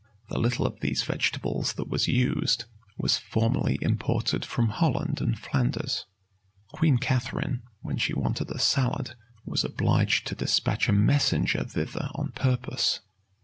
The little of these vegetables that was used, was formerly imported from Holland and Flanders.[] Queen Catharine, when she wanted a salad, was obliged to despatch a messenger thither on purpose.